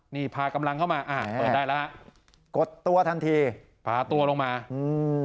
นี่พากำลังเข้ามาอ่าเปิดได้แล้วฮะกดตัวทันทีพาตัวลงมาอืม